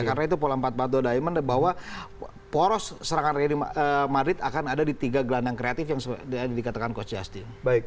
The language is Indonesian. karena itu pola empat batu diamond bahwa poros serangan real madrid akan ada di tiga gelandang kreatif yang dikatakan coach justin